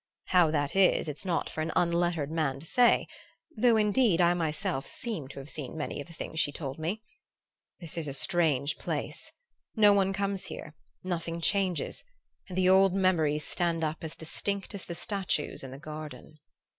How that is, it's not for an unlettered man to say; though indeed I myself seem to have seen many of the things she told me. This is a strange place. No one comes here, nothing changes, and the old memories stand up as distinct as the statues in the garden....